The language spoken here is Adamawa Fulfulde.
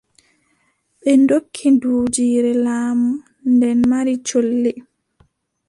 Ɗi ndokki duujiire laamu, nden mari colli.